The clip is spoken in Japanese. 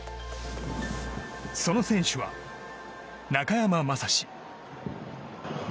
その選手は、中山雅史。